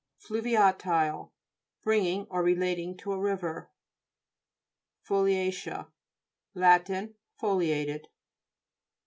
FLU'VIATILE Belonging or relating to a river. FOLIA'CEA Lat. Foliated.